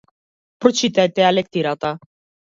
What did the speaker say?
Прочитајте ја лектирата.